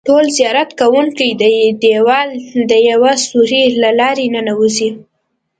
ټول زیارت کوونکي د دیوال د یوه سوري له لارې ننوځي.